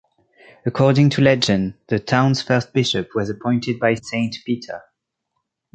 According to legend, the town's first bishop was appointed by Saint Peter.